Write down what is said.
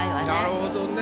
なるほどね。